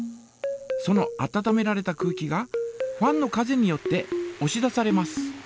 その温められた空気がファンの風によっておし出されます。